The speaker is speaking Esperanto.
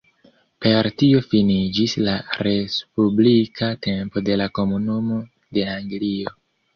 Per tio finiĝis la respublika tempo de la "Komunumo de Anglio".